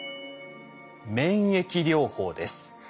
免疫療法です。